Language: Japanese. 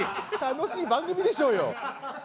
楽しい番組でしょうよ。